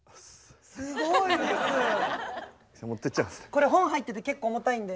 これ本入ってて結構重たいんで。